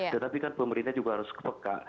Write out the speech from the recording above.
tetapi kan pemerintah juga harus ke peka